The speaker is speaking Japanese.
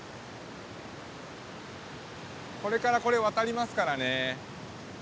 これからこれ渡りますからね。